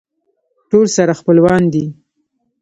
ټول سره خپلوان دي.